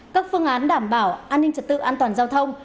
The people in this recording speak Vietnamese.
các phương án đảm bảo an ninh trật tự an toàn giao thông